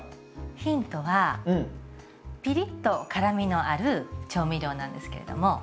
ヒントはピリッと辛みのある調味料なんですけれども。